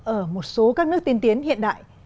ở một số các nước tiên tiến hiện đại